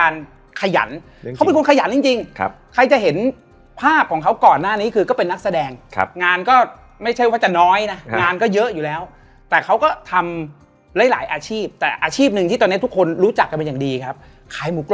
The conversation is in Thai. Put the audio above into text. เราก็แต่งหน้าเสร็จแล้วแล้วเราก็มานอนยาวเลยสิบ่อย